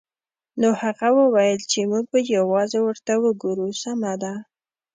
نو هغه وویل چې موږ به یوازې ورته وګورو سمه ده